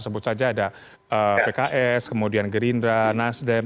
sebut saja ada pks kemudian gerindra nasdem